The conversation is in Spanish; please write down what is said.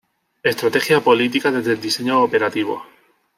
Estrategia Política desde el diseño operativo.